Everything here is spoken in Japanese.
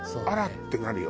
ってなるよ。